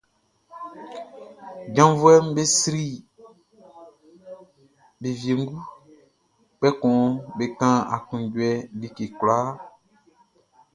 Janvuɛʼm be sri be wiengu, kpɛkun be kan aklunjuɛ like kwlaa.